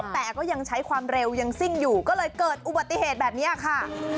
แต่ก็ยังใช้ความเร็วยังซิ่งอยู่ก็เลยเกิดอุบัติเหตุแบบนี้ค่ะ